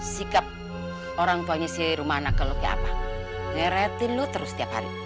sikap orang tuanya si rumana kalau kayak apa ngereatin lu terus setiap hari itu gimana